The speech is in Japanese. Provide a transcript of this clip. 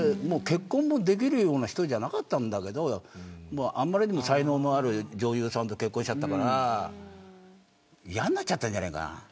もう結婚もできるような人じゃなかったんだけどあまりにも才能のある女優さんと結婚しちゃったからいやになっちゃったんじゃねえかな。